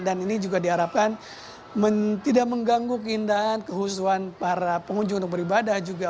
dan ini juga diharapkan tidak mengganggu keindahan kehusuhan para pengunjung untuk beribadah juga